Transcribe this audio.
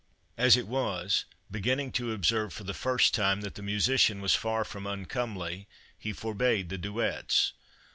As it was, beginning to observe for the first time that the musician was far from uncomely, he forbade the duets.